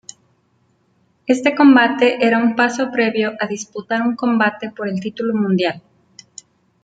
Este combate era un paso previo a disputar un combate por el título mundial.